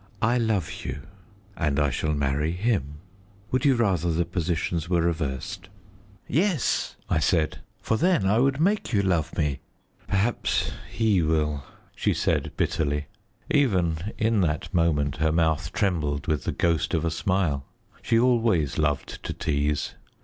I love you, and I shall marry him. Would you rather the positions were reversed?" "Yes," I said, "for then I would make you love me." "Perhaps he will," she said bitterly. Even in that moment her mouth trembled with the ghost of a smile. She always loved to tease.